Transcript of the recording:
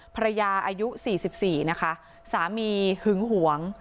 อายุ๔๔นะคะสามีหึงหวง